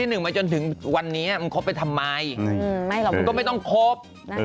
อืมไม่หรอก็ไม่ต้องคบ